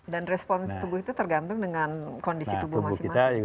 dan respon tubuh itu tergantung dengan kondisi tubuh masing masing